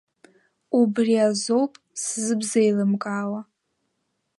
Убри азоуп сзыбзеилымкаауа.